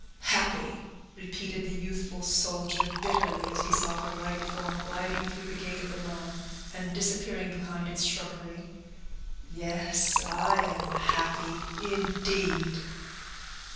"Happy!" repeated the youthful soldier, bitterly, as he saw her light form gliding through the gate of the lawn, and disappearing behind its shrubbery, "Yes, I am happy, indeed!"